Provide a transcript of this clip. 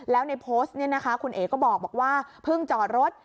แล้วในโพสต์คุณเอ๊ก็บอกว่าเพิ่งจอดรถ